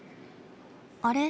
あれ？